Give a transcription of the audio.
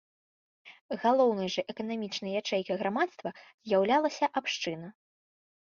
Галоўнай жа эканамічнай ячэйкай грамадства з'яўлялася абшчына.